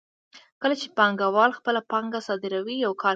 کله چې پانګوال خپله پانګه صادروي یو کار کوي